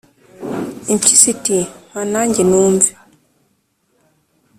impyisi iti « mpa na njye numve.»